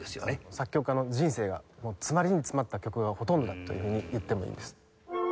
作曲家の人生が詰まりに詰まった曲がほとんどだというふうに言ってもいいです。